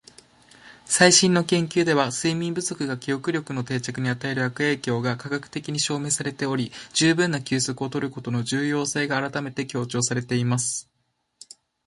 「最新の研究では、睡眠不足が記憶力の定着に与える悪影響が科学的に証明されており、十分な休息を取ることの重要性が改めて強調されています。」